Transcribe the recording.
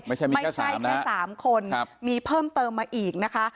ไม่ใช่แค่สามคนมีเพิ่มเติมมาอีกนะคะ